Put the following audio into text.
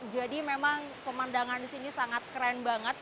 jadi memang pemandangan disini sangat keren banget